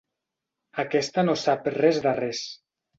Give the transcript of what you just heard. Aquesta no sap res de res.